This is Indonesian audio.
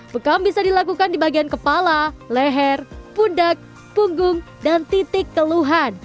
bekam bisa dilakukan di bagian kepala leher pundak punggung dan titik keluhan